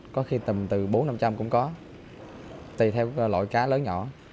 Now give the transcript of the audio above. có khi tùm từ bốn trăm linh năm trăm linh cũng có tùy theo loại cá lớn nhỏ